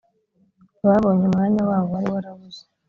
babonye umwana wabo wari warabuze